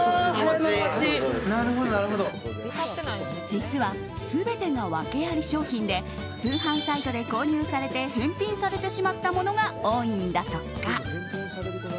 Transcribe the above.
実は全てがワケあり商品で通販サイトで購入されて返品されたものが多いんだとか。